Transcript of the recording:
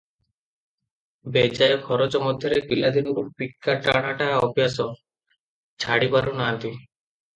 ବେଜାୟ ଖରଚ ମଧ୍ୟରେ ପିଲାଦିନରୁ ପିକା ଟଣାଟା ଅଭ୍ୟାସ, ଛାଡ଼ିପାରୁ ନାହାନ୍ତି ।